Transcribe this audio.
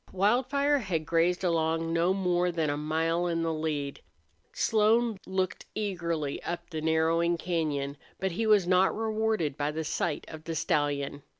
Wildfire had grazed along no more than a mile in the lead. Slone looked eagerly up the narrowing cañon, but he was not rewarded by a sight of the stallion.